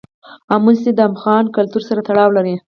آمو سیند د افغان کلتور سره تړاو لري.